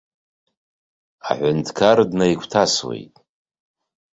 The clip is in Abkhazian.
Аҳәынҭқар днаигәҭасуеит.